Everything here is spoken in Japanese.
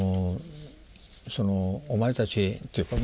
お前たちっていうか学生。